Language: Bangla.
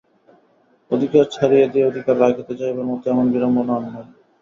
অধিকার ছাড়িয়া দিয়া অধিকার রাখিতে যাইবার মতো এমন বিড়ম্বনা আর নাই।